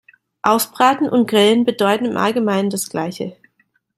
Ausbraten und grillen bedeuten im Allgemeinen das gleiche.